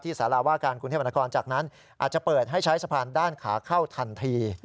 สาราว่าการกรุงเทพมนาคมจากนั้นอาจจะเปิดให้ใช้สะพานด้านขาเข้าทันที